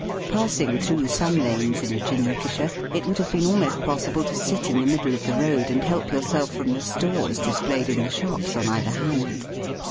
Passing through some lanes in a jinrikisha, it would have been almost possible to sit in the middle of the road and help yourself from the stores displayed in the shops on either hand.